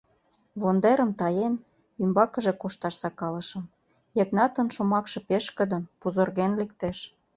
Вондерым таен, ӱмбакыже кошташ сакалышым, — Йыгнатын шомакше пешкыдын, пузырген лектеш.